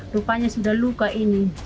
rupanya sudah luka ini